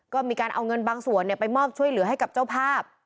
ก็มีการเอาเงินบางส่วนไปมอบช่วยเหลือให้กับเจ้าภาพ